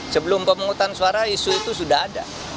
sebelum pemungutan suara isu itu sudah ada